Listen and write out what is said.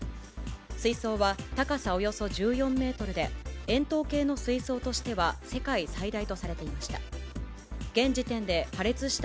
水槽は高さおよそ１４メートルで、円筒形の水槽としては世界最大とされていました。